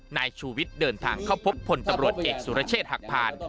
นายชูวิทย์เดินทางเข้าพบพลตำรวจเอกสุรเชษฐ์หักผ่าน